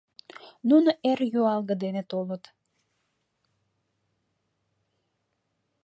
Нуно эр юалге дене толыт.